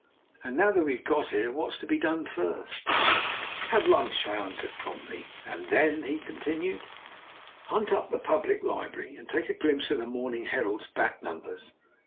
"And now that we've got here, what's to be done first?" "Have lunch," I answered promptly. "And then?" he continued. "Hunt up the public library and take a glimpse of the Morning Herald's back numbers.